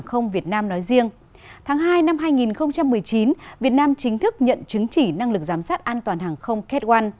hôm hai năm hai nghìn một mươi chín việt nam chính thức nhận chứng chỉ năng lực giám sát an toàn hàng không cat một